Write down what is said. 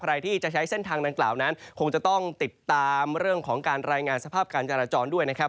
ใครที่จะใช้เส้นทางดังกล่าวนั้นคงจะต้องติดตามเรื่องของการรายงานสภาพการจราจรด้วยนะครับ